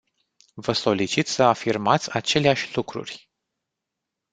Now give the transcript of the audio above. Vă solicit să afirmați aceleași lucruri.